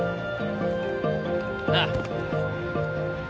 なあ？